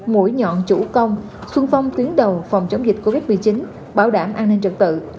mũi nhọn chủ công xuân phong tuyến đầu phòng chống dịch covid một mươi chín bảo đảm an ninh trật tự